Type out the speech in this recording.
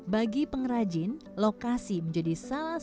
bagi pengrajin lokasi menjadi salah satu